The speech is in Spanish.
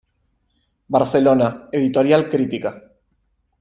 Barcelona: Editorial Crítica.